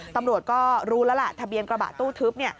ตำรวจก็รู้แล้วล่ะทะเบียนกระบะตู้ทึบ